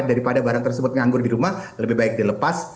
daripada barang tersebut nganggur di rumah lebih baik dilepas